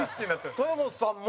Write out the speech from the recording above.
豊本さんも。